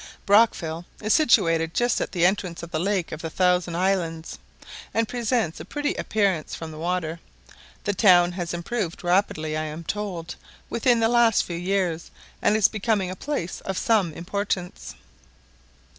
Brockville is situated just at the entrance of the lake of the Thousand Islands, and presents a pretty appearance from the water. The town has improved rapidly, I am told, within the last few years, and is becoming a place of some importance.